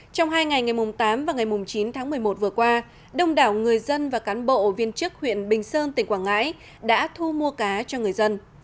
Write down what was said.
trong hai ngày ngày tám và ngày chín tháng một mươi một vừa qua đông đảo người dân và cán bộ viên chức huyện bình sơn tỉnh quảng ngãi đã thu mua cá cho người dân